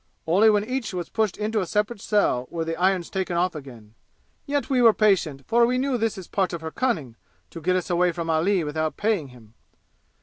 Only when each was pushed into a separate cell were the irons taken off again. Yet we were patient, for we knew this is part of her cunning, to get us away from Ali without paying him.